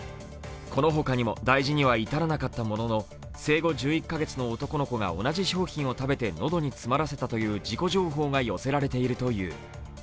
このほかにも、大事には至らなかったものの生後１１カ月の男の子が同じ商品を食べて喉に詰まらせたという事故情報が寄せられているという。